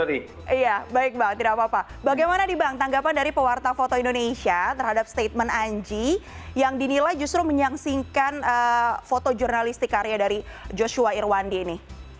iya bang ini bagaimana tanggapan dari pewarta foto indonesia terhadap statement anji yang dinilai justru menyangsingkan foto jurnalistik karya dari joshua irwandi ini